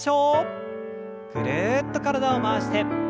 ぐるっと体を回して。